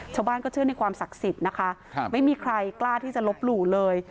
ชาวบ้านก็เชื่อในความศักดิ์สิทธิ์นะคะไม่มีใครกล้าที่จะลบหลู่เลย